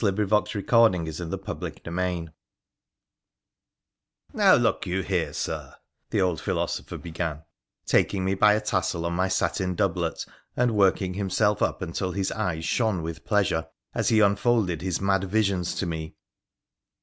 898 WONDERFUL ADVENTURES OF CHAPTER XXI 1 Now, look you here, Sir,' the old philosopher began, taking me by a tassel on my satin doublet, and working himself up until his eyes shone with pleasure, as he unfolded his mad visions to me.